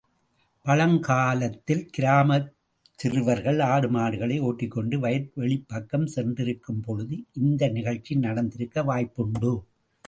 பழங்காலத்தில் கிராமச் சிறுவர்கள் ஆடுமாடுகளை ஒட்டிக்கொண்டு வயற்வெளிப் பக்கம் சென்றிருக்கும் பொழுது, இந்த நிகழ்ச்சி நடந்திருக்க வாய்ப்புண்டு.